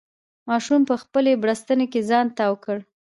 ماشوم په خپلې بړستنې کې ځان تاو کړ.